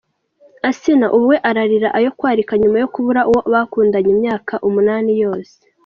Asnah ubu we ararira ayo kwakira nyuma yo kubura uwo bakundanye imyaka umunani yose.